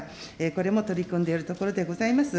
これも取り組んでいるところでございます。